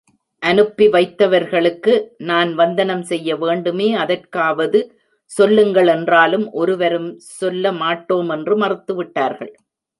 அனுப்பித்தவர்களுக்கு நான் வந்தனம் செய்ய வேண்டுமே அதற்காவது சொல்லுங்கள் என்றாலும், ஒருவரும் சொல்ல மாட்டோம் என்று மறுத்துவிட்டார்கள்.